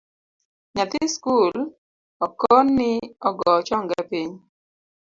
Nyathi skul okon ni ogoo chonge piny